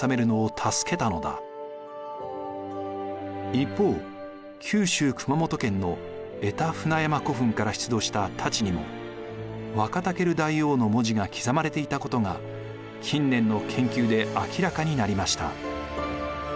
一方九州熊本県の江田船山古墳から出土した太刀にも「ワカタケル大王」の文字が刻まれていたことが近年の研究で明らかになりました。